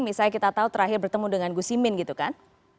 misalnya kita tahu terakhir bertemu dengan gus imin gitu kan